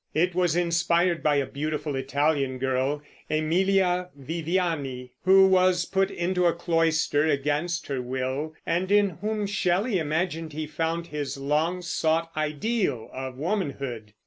It was inspired by a beautiful Italian girl, Emilia Viviani, who was put into a cloister against her will, and in whom Shelley imagined he found his long sought ideal of womanhood.